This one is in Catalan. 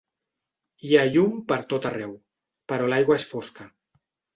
Hi ha llum per tot arreu, però l'aigua és fosca.